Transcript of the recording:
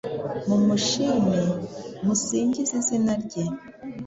Mumushime, musingize izina rye